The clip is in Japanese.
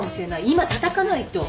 今たたかないと。